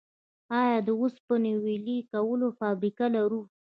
آیا د وسپنې ویلې کولو فابریکه لرو؟